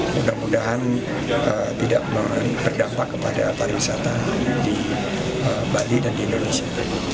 mudah mudahan tidak berdampak kepada pariwisata di bali dan di indonesia